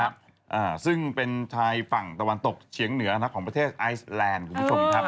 อ่าซึ่งเป็นชายฝั่งตะวันตกเฉียงเหนือนะของประเทศไอซแลนด์คุณผู้ชมครับ